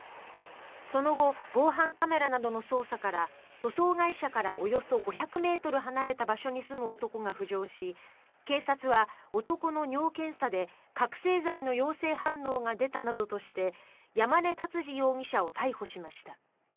その後防犯カメラなどの捜査から塗装会社からおよそ５００ｍ離れた場所に住む男が浮上し警察は男の尿検査で覚醒剤の陽性反応が出たなどとして山根達二容疑者を逮捕しました。